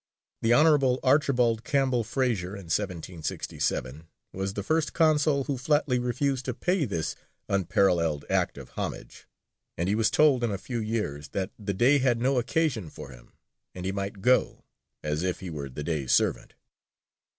The Hon. Archibald Campbell Fraser, in 1767, was the first consul who flatly refused to pay this unparalleled act of homage, and he was told, in a few years, that the Dey had no occasion for him, and he might go as if he were the Dey's servant.